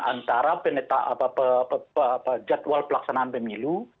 antara peneta apa apa jadwal pelaksanaan pemilu